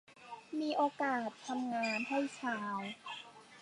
มีโอกาสทำงานให้ชาว